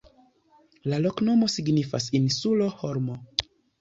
La loknomo signifas: insulo-holmo.